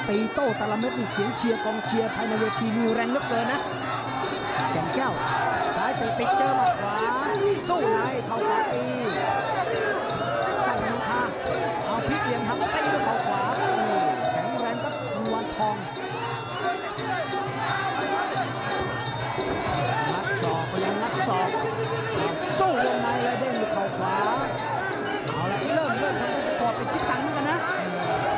เอาสุดท้ายเริ่มแรงครับคุณผู้ชม